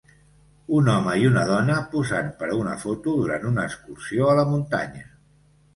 Un home i una dona posant per una foto durant una excursió a la muntanya.